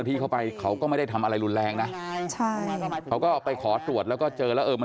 คนอื่นเขาไม่เหม็นเหม็นคนเดียว